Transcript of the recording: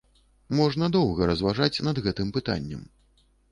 Можна доўга разважаць над гэтым пытаннем.